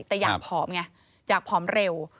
แต่อยากผอมไงอยากผอมเร็ว